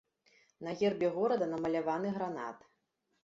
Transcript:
На гербе горада намаляваны гранат.